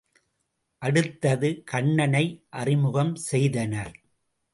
அடுத்தது கண்ணனை அறிமுகம் செய்தனர்.